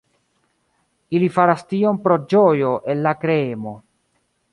Ili faras tion pro ĝojo el la kreemo.